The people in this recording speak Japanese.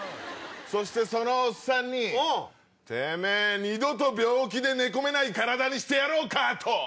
そしてそのおっさんにてめぇ二度と病気で寝込めない体にしてやろうか！と。